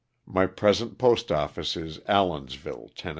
My present postoffice is Allensville, Tenn.